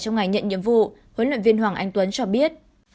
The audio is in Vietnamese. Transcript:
trong ngày nhận nhiệm vụ huấn luyện viên hoàng anh tuấn cho biết